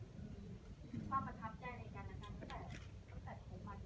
ความประทับใจในการตั้งแต่โทษมัน